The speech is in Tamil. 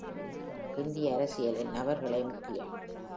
இந்திய அரசியலில் நபர்களே முக்கியம்.